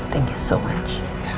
terima kasih banyak